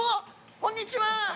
こんにちは。